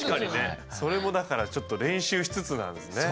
それもだからちょっと練習しつつなんですね。